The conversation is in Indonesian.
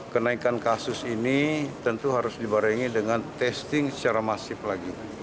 kenaikan kasus ini tentu harus dibarengi dengan testing secara masif lagi